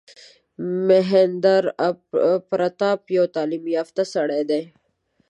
مهیندراپراتاپ یو تعلیم یافته سړی دی.